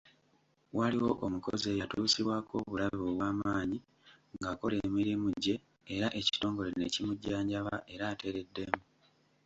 Waliwo omukozi eyatuusibwako obulabe obwamaanyi ng’akola emirimu gye era ekitongole ne kimujjanjaba era atereddemu.